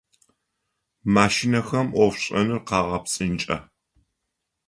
Машинэхэм ӏофшӏэныр къагъэпсынкӏэ.